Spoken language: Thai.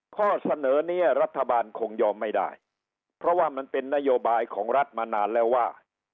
ข้อเสนอนี้รัฐบาลคงยอมไม่ได้เพราะว่ามันเป็นนโยบายของรัฐมานานแล้วว่า